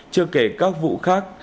chưa kể các vụ khác